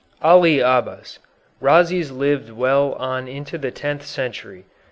ALI ABBAS Rhazes lived well on into the tenth century.